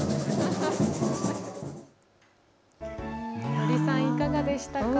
森さん、いかがでしたか。